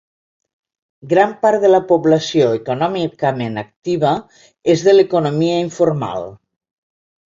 Gran part de la població econòmicament activa és de l'economia informal.